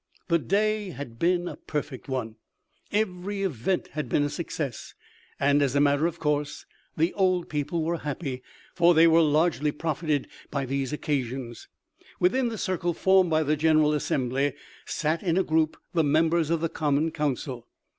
The day had been a perfect one. Every event had been a success; and, as a matter of course, the old people were happy, for they largely profited by these occasions. Within the circle formed by the general assembly sat in a group the members of the common council.